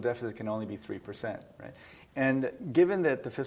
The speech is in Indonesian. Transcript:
tapi ada peraturan di indonesia